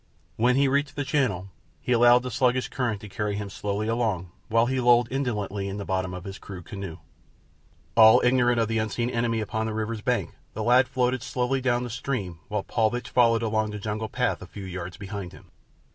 When he reached the channel he allowed the sluggish current to carry him slowly along while he lolled indolently in the bottom of his crude canoe. All ignorant of the unseen enemy upon the river's bank the lad floated slowly down the stream while Paulvitch followed along the jungle path a few yards behind him.